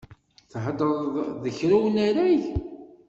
Theddreḍ d kra unarag?